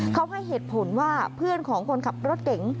เขาให้เหตุผลว่าเพื่อนของคนขับรถเก๋ง